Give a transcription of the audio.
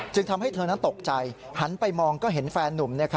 ทำให้เธอนั้นตกใจหันไปมองก็เห็นแฟนนุ่ม